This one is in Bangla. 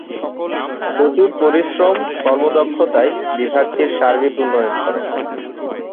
প্রচুর পরিশ্রম, কর্মদক্ষতায় বিভাগটির সার্বিক উন্নয়ন করেন।